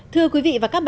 thưa quý vị